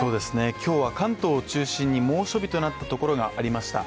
今日は関東を中心に猛暑日となったところがありました。